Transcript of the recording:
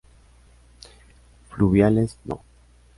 Fluviales: no.